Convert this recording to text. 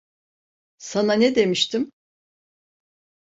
Sana ne demiştim?